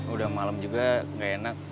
udah malem juga gak enak